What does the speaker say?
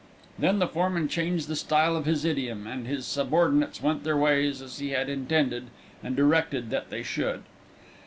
Then the foreman changed the style of his idiom, and his subordinates went their ways as he had intended and directed that they should.